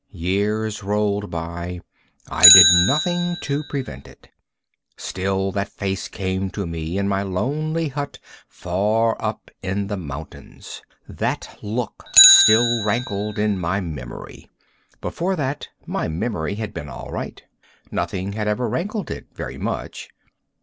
Years rolled by. I did nothing to prevent it. Still that face came to me in my lonely hut far up in the mountains. That look still rankled in my memory. Before that my memory had been all right. Nothing had ever rankled in it very much.